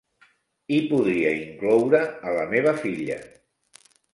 I podria incloure a la meva filla.